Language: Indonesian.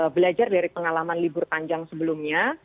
belajar dari pengalaman libur panjang sebelumnya